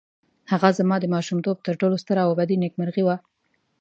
هغه زما د ماشومتوب تر ټولو ستره او ابدي نېکمرغي وه.